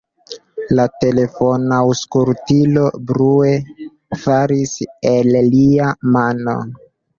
La telefonaŭskultilo brue falis el lia mano.